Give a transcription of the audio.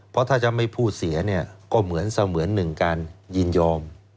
เพราะถ้าจะไม่พูดเสียเนี่ยก็เหมือนเสมือนหนึ่งการยินยอม